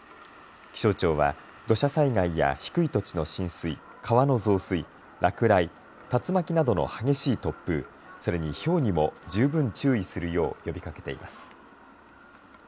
気象庁は土砂災害や低い土地の浸水、川の増水、落雷、竜巻などの激しい突風、それにひょうにも十分注意するよう呼びかけています。